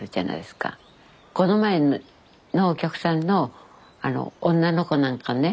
この前のお客さんの女の子なんかね